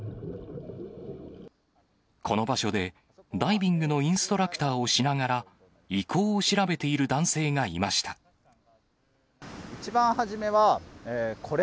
この場所で、ダイビングのインストラクターをしながら、遺構を調べている男性一番初めは、これ？